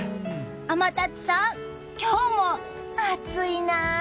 天達さん、今日も暑いな！